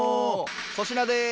粗品です。